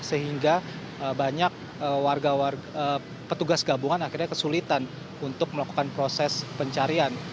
sehingga banyak petugas gabungan akhirnya kesulitan untuk melakukan proses pencarian